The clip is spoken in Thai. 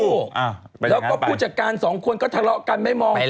แล้วก็ผู้จัดการสองคนก็ทะเลาะกันไม่มองเห็น